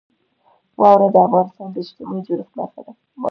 واوره د افغانستان د اجتماعي جوړښت برخه ده.